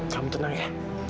kamu tenang ya